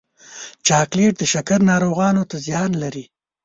چاکلېټ د شکر ناروغانو ته زیان لري.